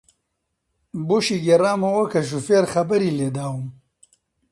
بۆشی گێڕامەوە کە شۆفێر خەبەری لێداوم